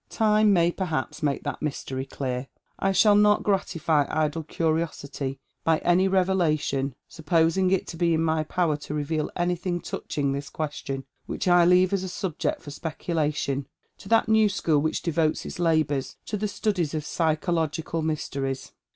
Time may perhaps make that mystery clear. I shall not gratify idle curiosity by any revela tion, supposing it to be in my power to reveal anytliing touching tliis question, which I leave as a subject for speculation to that new school which devotes its labours to the studies of psycho logical mysteries."